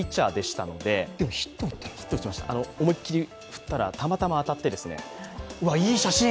思いっきり振ったら、たまたま当たってですね。